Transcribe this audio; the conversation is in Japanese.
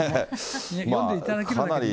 読んでいただけるだけでいいです。